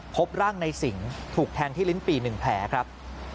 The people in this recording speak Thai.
พบร่างในสิงห์ถูกแทงที่ลิ้นปี่๑แผลครับ